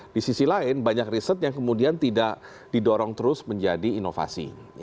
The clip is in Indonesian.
di sisi lain banyak riset yang kemudian tidak didorong terus menjadi inovasi